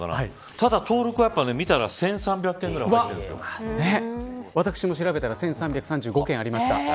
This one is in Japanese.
ただ、登録見たら１３００件ぐらい私も調べたら１３３５件ありました。